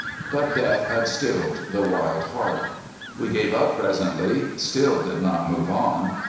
But death had stilled the wild heart. We gave up presently, still did not move on.